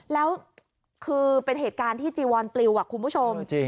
แล้วคือเป็นเหตุการณ์ที่จีวอนปลิวคุณผู้ชม